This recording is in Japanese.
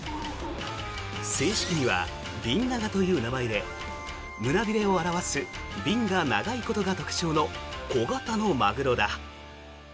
正式にはビンナガという名前で胸びれを表すビンが長いことが特徴の小型のマグロだ。